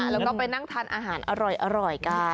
แล้วก็ไปนั่งทานอาหารอร่อยกัน